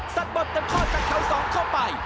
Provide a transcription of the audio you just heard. สัดบอลเต็มข้อจากเขาสองเข้าไป